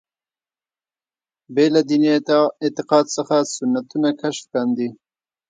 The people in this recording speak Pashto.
بې له دیني اعتقاد څخه سنتونه کشف کاندي.